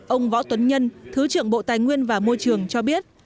ông võ tuấn nhân thứ trưởng bộ tài nguyên và môi trường cho biết